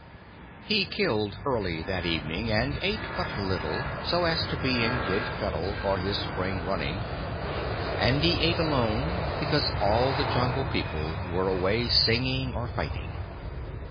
He killed early that evening and eat but little, so as to be in good fettle for his spring running, and he eat alone because all the Jungle People were away singing or fighting.